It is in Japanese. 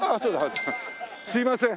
すいません。